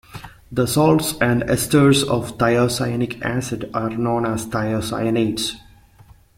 The salts and esters of thiocyanic acid are known as thiocyanates.